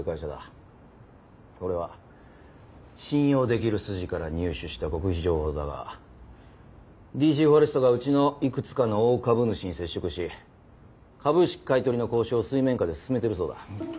これは信用できる筋から入手した極秘情報だがＤＣフォレストがうちのいくつかの大株主に接触し株式買い取りの交渉を水面下で進めているそうだ。